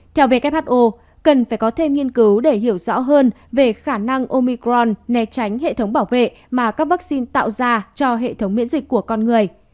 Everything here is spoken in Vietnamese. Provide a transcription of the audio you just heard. theo who cần phải có thêm nghiên cứu để hiểu rõ hơn về khả năng omicron né tránh hệ thống bảo vệ mà các vaccine tạo ra cho hệ thống miễn dịch của con người